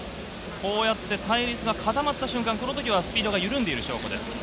こうやって隊列が固まった瞬間、この時はスピードが緩んでいる証拠です。